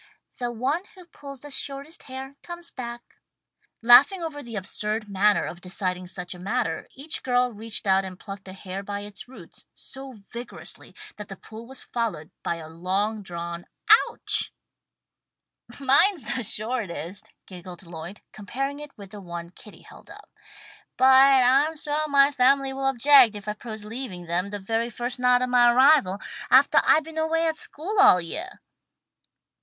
"The one who pulls the shortest hair comes back." Laughing over the absurd manner of deciding such a matter, each girl reached out and plucked a hair by its roots, so vigorously that the pull was followed by a long drawn "ouch!" "Mine's the shortest," giggled Lloyd, comparing it with the one that Kitty held up. "But I'm suah my family will object if I propose leaving them the very first night of my arrival, aftah I've been away at school all yeah."